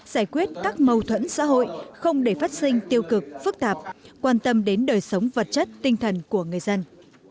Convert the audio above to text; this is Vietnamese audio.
giải quyết các mâu thuẫn xã hội không để phát sinh tiêu cực phức tạp quan tâm đến đời sống vật chất tinh thần của người dân